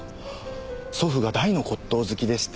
祖父が大の骨董好きでして。